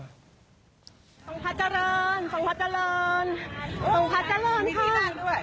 ทุนกรมอมหญิงอุบลรัฐราชกัญญาสิริวัฒนาพันธวดี